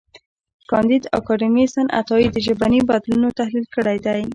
کانديد اکاډميسن عطایي د ژبني بدلونونو تحلیل کړی دی.